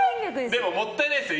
でももったいないですよ